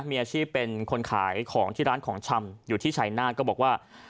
มีอาชีพเป็นคนขายของที่ร้านของชำอยู่ที่ชายนาฏก็บอกว่า